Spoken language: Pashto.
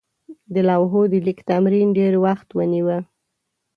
د لوحو د لیک تمرین ډېر وخت ونیوه.